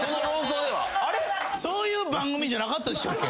そういう番組じゃなかったでしたっけ？